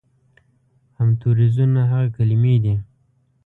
همتوریزونه هغه کلمې دي